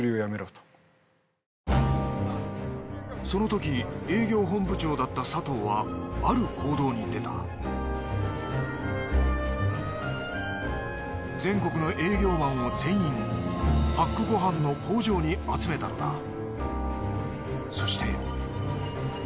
そのとき営業本部長だった佐藤はある行動に出た全国の営業マンを全員パックご飯の工場に集めたのだ。